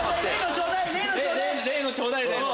例のちょうだい例の。